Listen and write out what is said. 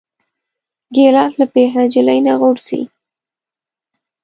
ګیلاس له پېغلې نجلۍ نه غورځي.